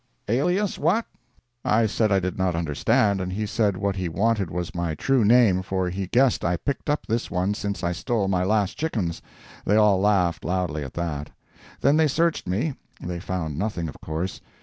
"Alias what?" I said I did not understand, and he said what he wanted was my true name, for he guessed I picked up this one since I stole my last chickens. They all laughed loudly at that. Then they searched me. They found nothing, of course.